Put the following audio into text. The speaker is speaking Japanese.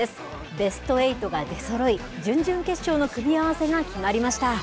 ベストエイトが出そろい、準々決勝の組み合わせが決まりました。